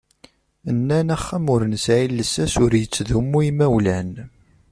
Nnan axxam ur nesεi llsas, ur ittdumu i yimawlan.